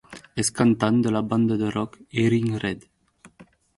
És cantant de la banda de rock Hearing Red.